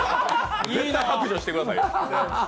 絶対白状してくださいよ。